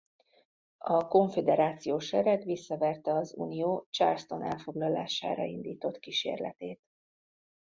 A konföderációs sereg visszaverte az Unió Charleston elfoglalására indított kísérletét.